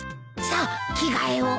さあ着替えを。